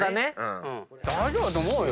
大丈夫だと思うよ。